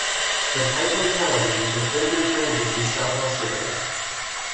The type locality is the Flinders Ranges of South Australia.